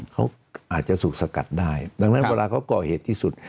เขาอาจจะถูกสกัดได้ดังนั้นเวลาเขาก่อเหตุที่สุด